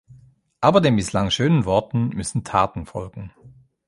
Aber den bislang schönen Worten müssen Taten folgen.